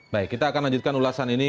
baik kita akan lanjutkan ulasan ini